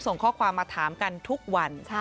ส่งข้อความมาถามกันทุกวัน